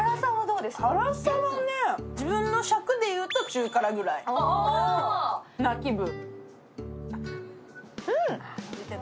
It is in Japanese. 辛さはね、自分の尺でいうと中辛くらいな気分。